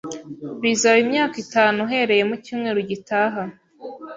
Bizaba imyaka itanu uhereye mu cyumweru gitaha.